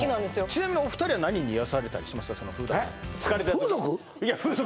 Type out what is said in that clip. ちなみにお二人は何に癒やされたりしますか普段風俗？